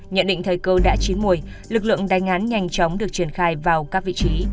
nhận định thời cầu đã chín mùi lực lượng đánh án nhanh chóng được triển khai vào các vị trí